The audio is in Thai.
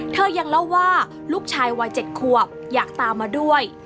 เธอยังเล่าว่าลูกชายวัย๗ขวบอยากตามมาด้วย